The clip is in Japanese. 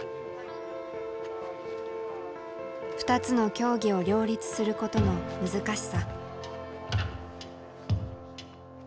２つの競技を両立することの難しさ。